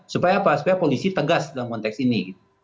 supaya apa supaya polisi tegas dalam konteks ini